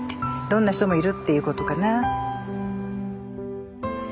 どんな人もいるっていうことかな。